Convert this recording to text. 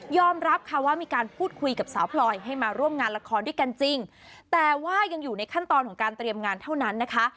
รับค่ะว่ามีการพูดคุยกับสาวพลอยให้มาร่วมงานละครด้วยกันจริงแต่ว่ายังอยู่ในขั้นตอนของการเตรียมงานเท่านั้นนะคะ